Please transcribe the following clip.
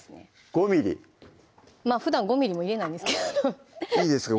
５ｍｍまぁふだん５ｍｍも入れないんですけどいいですか？